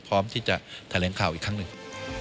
พร้อมที่จะแถลงข่าวอีกครั้งหนึ่ง